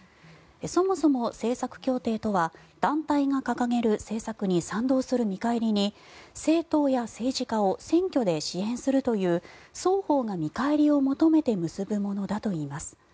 そもそも政策協定とは団体が掲げる政策に賛同する見返りに政党や政治家を選挙で支援するという双方が見返りを求めて結ぶものだといいます。